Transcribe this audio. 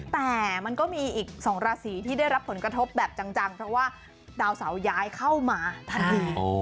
แต่มันก็มีอีก๒ราศีที่ได้รับผลกระทบแบบจังเพราะว่าดาวเสาย้ายเข้ามาทันที